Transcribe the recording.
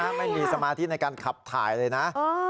ไม่มีสมาธิในการขับถ่ายเลยนะ